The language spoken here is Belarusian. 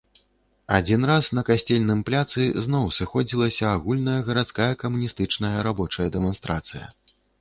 Адзін раз на касцельным пляцы зноў сыходзілася агульная гарадская камуністычная рабочая дэманстрацыя.